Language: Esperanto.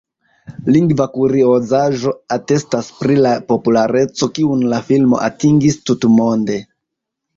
Lingva kuriozaĵo atestas pri la populareco kiun la filmo atingis tutmonde.